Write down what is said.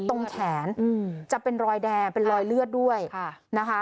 ตรงแขนจะเป็นรอยแดงเป็นรอยเลือดด้วยนะคะ